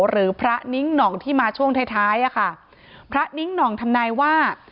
หรือพระนิ้งหน่องที่มาช่วงท้ายท้ายอ่ะค่ะพระนิ้งหน่องทำนายว่า